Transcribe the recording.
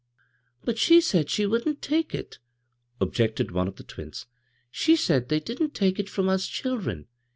" But she said she wouldn't take it," ob jected one of the twins. "She said they didn't take it irom us children.